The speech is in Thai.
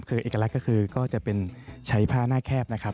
เอกลักษณ์ก็จะเป็นใช้ผ้าหน้าแคบนะครับ